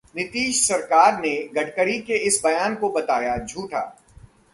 नीतीश सरकार ने गडकरी के इस बयान को बताया झूठा